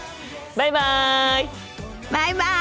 バイバイ！